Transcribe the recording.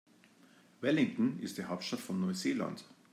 Wellington ist die Hauptstadt von Neuseeland.